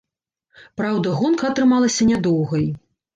Праўда, гонка атрымалася нядоўгай.